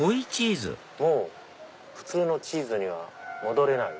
「もう普通のチーズには戻れない」。